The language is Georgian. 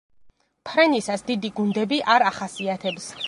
ფრენისას დიდი გუნდები არ ახასიათებს.